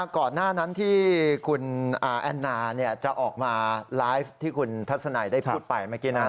ก่อนหน้านั้นที่คุณแอนนาจะออกมาไลฟ์ที่คุณทัศนัยได้พูดไปเมื่อกี้นะ